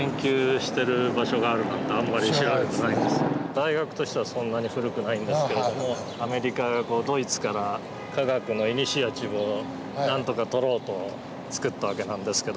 大学としてはそんなに古くないんですけれどもアメリカがドイツから科学のイニシアチブをなんとか取ろうと作った訳なんですけども。